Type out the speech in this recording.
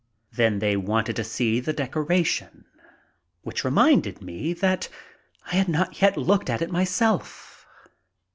Then they wanted to see the decoration, which reminded me that I had not yet looked at it myself.